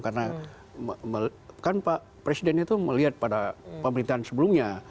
karena kan pak presiden itu melihat pada pemerintahan sebelumnya